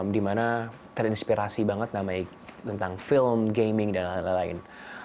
dimana terinspirasi banget namanya tentang film gaming dan lain lain